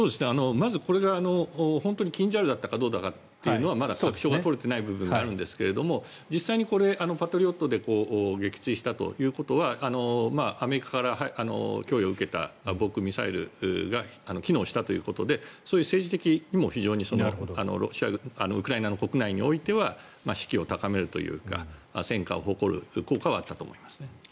まずこれが本当にキンジャールだったかどうかというのはまだ確証が取れてない部分があるんですが実際にこれ、パトリオットで撃墜したということはアメリカから供与を受けた防空ミサイルが機能したということでそういう政治的にもウクライナの国内においては士気を高めるというか戦果を誇る効果はあったと思いますね。